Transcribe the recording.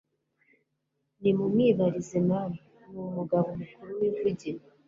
Nimumwibarize namwe; ni umugabo mukuru wivugira. »